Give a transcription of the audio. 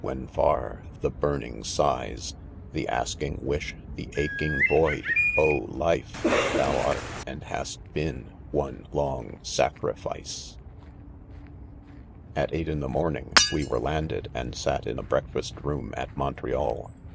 When far — the burning sighs— The asking wisj£— the aching void — oh 3 life ! Thou art ..and hast been, one long sacrifice I 6 At eight in : the* mornings we were landed, and sat, in a ' breakfast room, at Montreal.